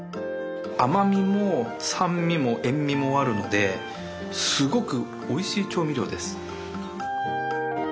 甘みも酸味も塩みもあるのですごくおいしい調味料です。